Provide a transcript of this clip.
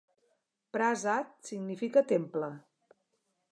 Prasat significa "temple".